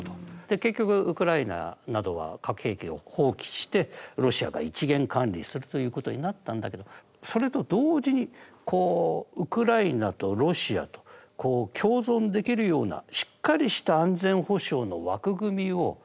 結局ウクライナなどは核兵器を放棄してロシアが一元管理するということになったんだけどそれと同時にウクライナとロシアと共存できるようなしっかりした安全保障の枠組みを作っておくべきだったと。